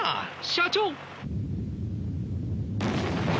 社長！